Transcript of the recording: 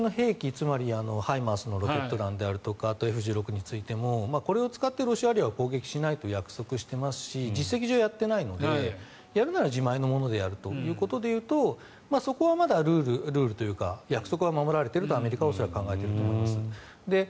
つまり、ＨＩＭＡＲＳのロケット弾であるとかＦ１６についてもこれを使ってロシア領は攻撃しないと言っていますし実績上やってないのでやるなら自前のものでやるということになるとそこはまだルールというか約束は守られているとアメリカは恐らく考えていると思います。